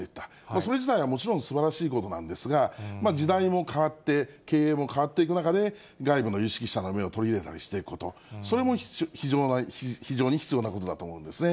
それ自体はもちろんすばらしいことなんですが、時代も変わって、経営も変わっていく中で、外部の有識者の目を取り入れたりしていくこと、それも非常に必要なことだと思うんですね。